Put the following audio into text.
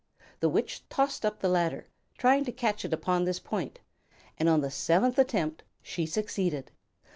The Witch tossed up the ladder, trying to catch it upon this point, and on the seventh attempt she succeeded.